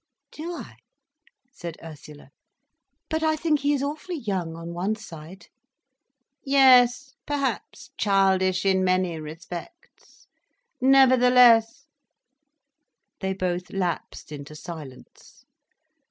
"Do I!" said Ursula. "But I think he is awfully young, on one side." "Yes, perhaps childish in many respects. Nevertheless—" They both lapsed into silence.